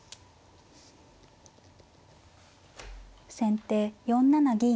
先手４七銀。